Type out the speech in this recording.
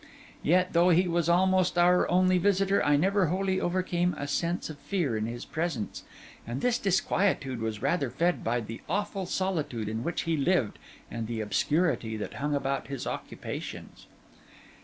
Yet, though he was almost our only visitor, I never wholly overcame a sense of fear in his presence; and this disquietude was rather fed by the awful solitude in which he lived and the obscurity that hung about his occupations.